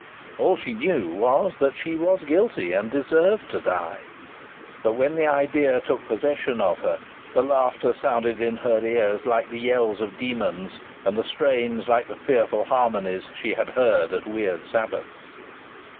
All she knew was she was guilty, and deserved to die. But when this idea took possession of her, the laughter sounded in her ears like the yells of demons, and the strains like the fearful harmonies she had heard at weird sabbaths.